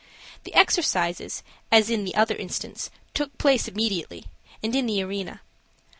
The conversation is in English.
The exercises, as in the other instance, took place immediately, and in the arena.